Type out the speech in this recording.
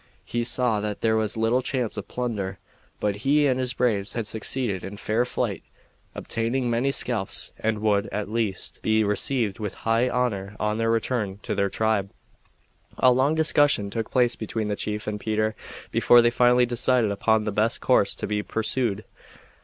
He saw that there was little chance of plunder, but he and his braves had succeeded in fair fight in obtaining many scalps, and would, at least, be received with high honor on their return to their tribe. A long discussion took place between the chief and Peter before they finally decided upon the best course to be pursued.